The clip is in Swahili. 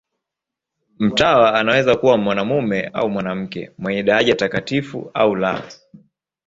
Mtawa anaweza kuwa mwanamume au mwanamke, mwenye daraja takatifu au la.